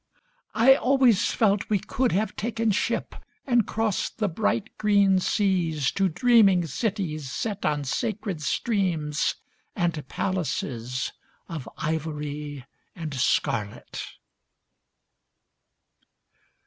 I always felt we could have taken ship And crossed the bright green seas To dreaming cities set on sacred streams And palaces Of ivory and scarlet.